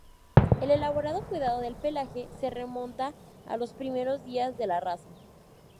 El elaborado cuidado del pelaje se remonta a los primeros días de la raza.